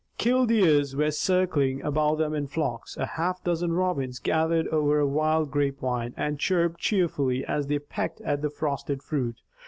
Killdeers were circling above them in flocks. A half dozen robins gathered over a wild grapevine, and chirped cheerfully, as they pecked at the frosted fruit.